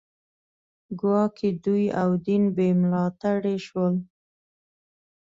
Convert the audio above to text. ګواکې دوی او دین بې ملاتړي شول